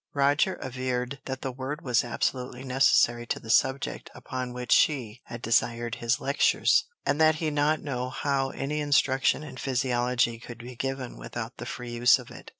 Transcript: Roger averred that the word was absolutely necessary to the subject upon which she had desired his lectures; and that he did not know how any instruction in physiology could be given without the free use of it.